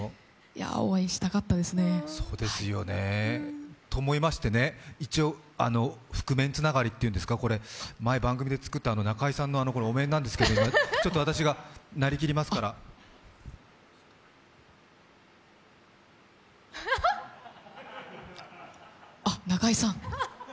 いや、お会いしたかったですね。と思いましてね、一応、覆面つながりというんですか、前、番組でつくった中居さんのお面なんですけど、ちょっと私がなりきりますからあっ、中居さん。